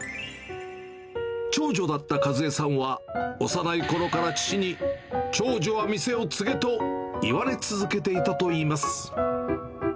長女だった和枝さんは、幼いころから父に、長女は店を継げと言われ続けていたといいます。